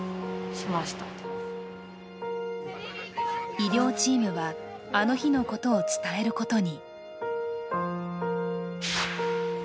医療チームは、あの日のことを伝えることに。